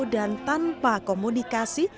dan tanpa komunikasi